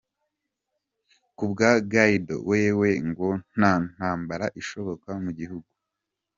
Kubwa Guaidó wewe, ngo nta ntambara ishoboka mu gihugu.